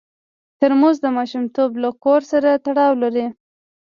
ترموز د ماشومتوب له کور سره تړاو لري.